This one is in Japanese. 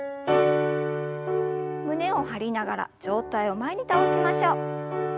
胸を張りながら上体を前に倒しましょう。